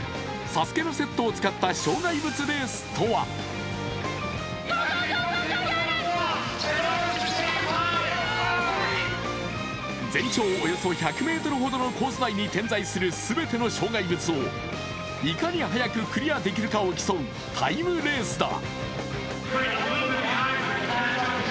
ＳＡＳＵＫＥのセットを使った障害物レースとは全長およそ１００ｍほどのコースに点在する全ての障害物をいかに速くクリアできるかを競うタイムレースだ。